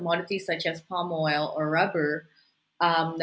minyak kayu atau perut